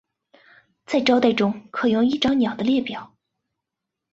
在招待中可用一张鸟的列表。